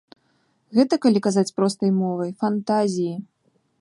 Гэта, калі казаць простай мовай, фантазіі.